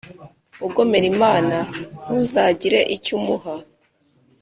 ugomera Imana ntuzagire icyo umuha